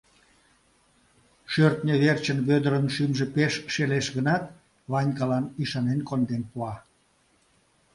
Шӧртньӧ верчын Вӧдырын шӱмжӧ пеш шелеш гынат, Ванькалан ӱшанен конден пуа.